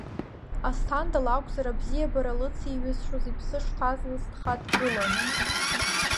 Асҭанда лакәзар абзиабара лыцеиҩызшоз иԥсы шҭаз насҭха дгылан.